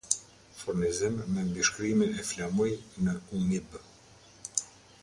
Furnizim me mbishkrime e flamuj në umib